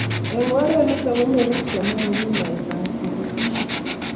Eng' oret nitok ko nyoru kipsomanik naet ab batishet